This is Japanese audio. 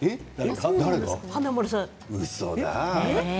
うそだ。